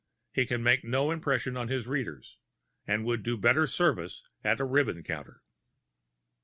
He can make no impression on his reader, and would do better service at the ribbon counter.